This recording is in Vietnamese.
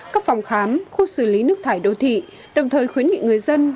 các phòng khám khu xử lý nước thải đô thị đồng thời khuyến nghị người dân